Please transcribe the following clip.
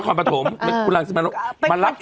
มันรับเองเลยแต่ละคนเลย